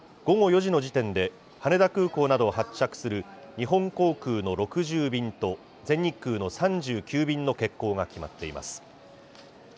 午後４時の時点で、羽田空港などを発着する日本航空の６０便と、全日空の３９便の欠航が決まっています。